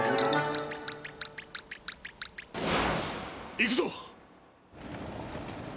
行くぞ！